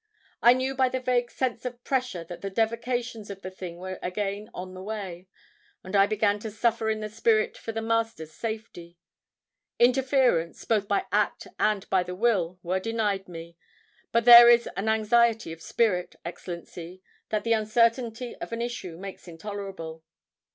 "I knew by the vague sense of pressure that the devocations of the thing were again on the way. And I began to suffer in the spirit for the Master's safety. Interference, both by act and by the will, were denied me. But there is an anxiety of spirit, Excellency, that the uncertainty of an issue makes intolerable."